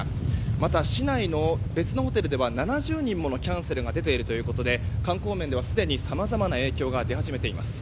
また、市内の別のホテルでは７０人ものキャンセルが出ているということで観光面ではすでに、さまざまな影響が出始めています。